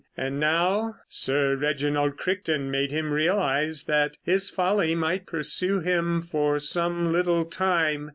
And now Sir Reginald Crichton made him realise that his folly might pursue him for some little time.